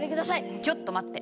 ちょっと待って。